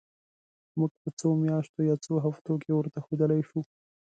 موږ په څو میاشتو یا څو هفتو کې ورته ښودلای شو.